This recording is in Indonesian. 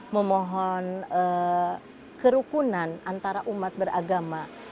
memohon kerukunan antara umat beragama